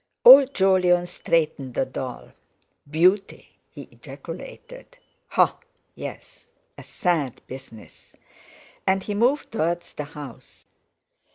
Old Jolyon straightened the doll. "Beauty!" he ejaculated: "Ha! Yes! A sad business!" and he moved towards the house.